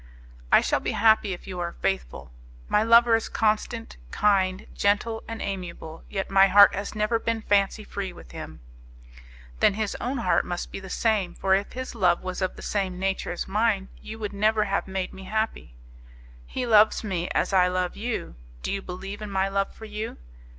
"I shall be happy if you are faithful. My lover is constant, kind, gentle and amiable; yet my heart has ever been fancy free with him." "Then his own heart must be the same; for if his love was of the same nature as mine you would never have made me happy." "He loves me as I love you; do you believe in my love for you?"